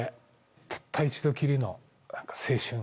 たった一度きりのなんか青春。